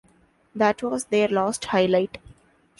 That was their last highlight.